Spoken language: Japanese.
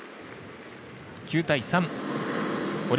９対３。